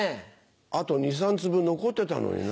あと２３粒残ってたのにな。